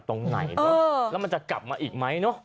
ตรงไหนนะครับแล้วมันจะกลับอีกไหมเนาะ